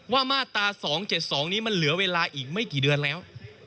มาตรา๒๗๒นี้มันเหลือเวลาอีกไม่กี่เดือนแล้ว